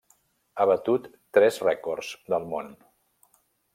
Ha batut tres rècords del món.